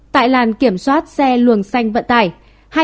tại làn kiểm soát xe luồng xanh vận tải